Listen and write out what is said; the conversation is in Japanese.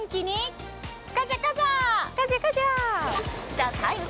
「ＴＨＥＴＩＭＥ，」